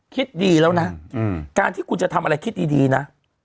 คิดดีแล้วนะการที่คุณจะทำอะไรคิดดีนะ